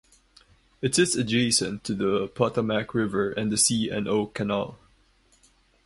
It sits adjacent to the Potomac River and the C and O Canal.